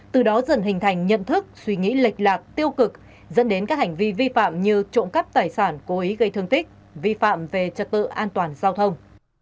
từ đó dần hình thành nhận thức suy nghĩ lệch lạc tiêu cực dẫn đến các hành vi vi phạm như trộm cắp tài sản cố ý gây thương tích vi phạm về trật tự an toàn giao thông